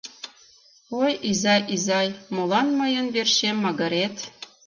Ой, изай, изай, молан мыйын верчем магырет?